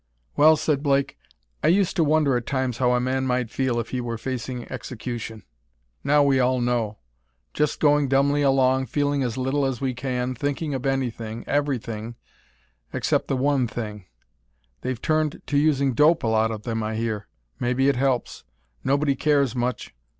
"Well," said Blake, "I used to wonder at times how a man might feel if he were facing execution. Now we all know. Just going dumbly along, feeling as little as we can, thinking of anything, everything except the one thing. They've turned to using dope, a lot of them, I hear. Maybe it helps; nobody cares much.